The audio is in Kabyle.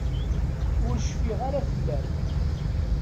Ur tecfi ara fell-am.